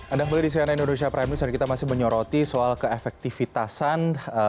anda kembali di cnn indonesia prime news dan kita masih menyoroti soal keefektifitasan